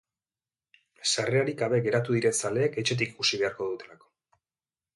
Sarrerarik gabe geratu diren zaleek etxetik ikusi beharko dutelako.